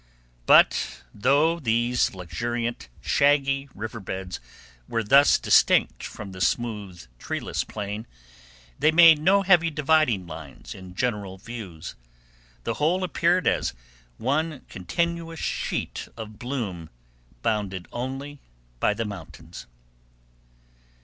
But, though these luxuriant, shaggy river beds were thus distinct from the smooth, treeless plain, they made no heavy dividing lines in general views. The whole appeared as one continuous sheet of bloom bounded only by the mountains.